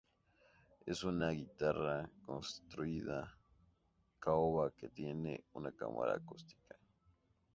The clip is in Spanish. Es una guitarra construida caoba que tiene una cámara acústica.